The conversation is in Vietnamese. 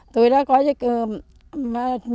tôi đã có cái